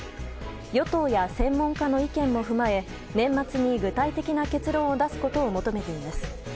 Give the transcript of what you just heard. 与党や専門家の意見も踏まえ年末に具体的な結論を出すことを求めています。